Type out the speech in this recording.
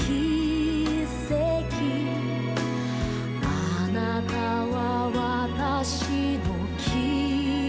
あなたは私の希望